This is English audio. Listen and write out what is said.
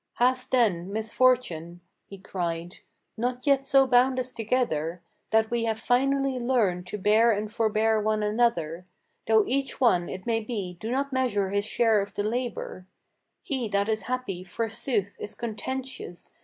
"Has, then, misfortune," he cried, "not yet so bound us together, That we have finally learned to bear and forbear one another, Though each one, it may be, do not measure his share of the labor? He that is happy, forsooth, is contentious!